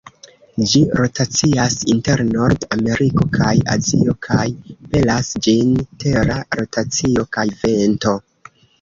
Ĝi rotacias inter Nord-Ameriko kaj Azio kaj pelas ĝin Tera rotacio kaj vento.